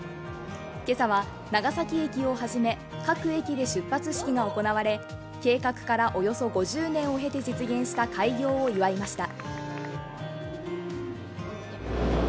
今朝は長崎駅をはじめ各駅で出発式が行われ計画からおよそ５０年を経て実現した開業を祝いました。